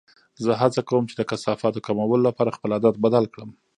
زه هڅه کوم چې د کثافاتو کمولو لپاره خپل عادت بدل کړم.